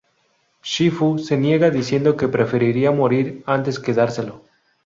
Shifu se niega, diciendo que preferiría morir antes que dárselo.